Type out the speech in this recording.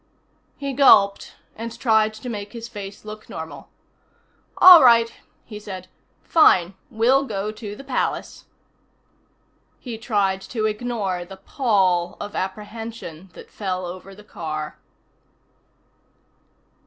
"_ He gulped and tried to make his face look normal. "All right," he said. "Fine. We'll go to the Palace." He tried to ignore the pall of apprehension that fell over the car.